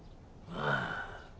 ああ。